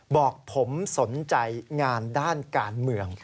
บอกผมสนใจงานด้านการเมือง